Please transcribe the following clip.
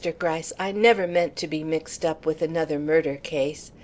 Gryce, I never meant to be mixed up with another murder case.